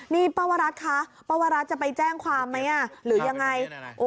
นี่ป้าวรัฐคะป้าวรัฐจะไปแจ้งความไหมหรือยังไง